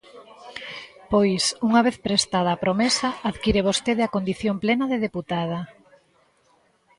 Pois, unha vez prestada a promesa, adquire vostede a condición plena de deputada.